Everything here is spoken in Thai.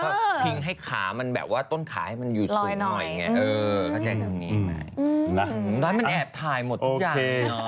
เพราะพิงให้ต้นขาอยู่สูงหน่อยไงเขาใช้แบบนี้ไหมนะมันแอบถ่ายหมดทุกอย่าง